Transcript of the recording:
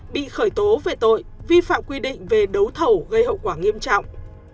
bị khởi tố về tội vi phạm quy định về đấu thầu gây hậu quả nghiêm trọng